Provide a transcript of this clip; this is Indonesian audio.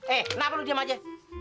eh kenapa lu diam aja